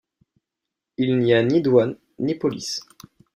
Il n'y a ni douane, ni police.